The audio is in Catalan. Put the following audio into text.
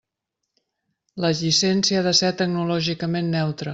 La llicència ha de ser tecnològicament neutra.